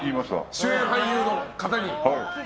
主演俳優の方に。